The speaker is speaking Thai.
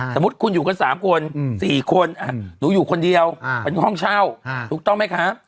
สมมุติคุณอยู่กัน๓คน๔คนหนูอยู่คนเดียวเป็นห้องเช่าถูกต้องไหมคะ